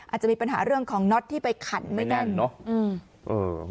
อาจจะมีปัญหาเรื่องของน็อตที่ไปขันไม่แน่นเนอะ